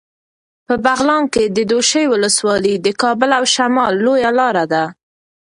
په بغلان کې د دوشي ولسوالي د کابل او شمال لویه لاره ده.